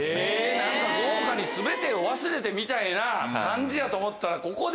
何か豪華に全てを忘れてみたいな感じやと思ったらここで。